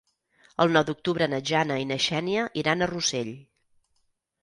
El nou d'octubre na Jana i na Xènia iran a Rossell.